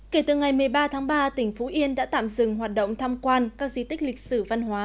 kể từ ngày một mươi ba tháng ba tỉnh phú yên đã tạm dừng hoạt động tham quan các di tích lịch sử văn hóa